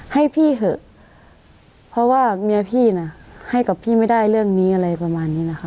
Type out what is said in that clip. ให้พี่เถอะเพราะว่าเมียพี่น่ะให้กับพี่ไม่ได้เรื่องนี้อะไรประมาณนี้นะคะ